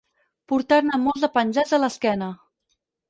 Portar-ne molts de penjats a l'esquena.